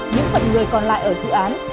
những phần người còn lại ở dự án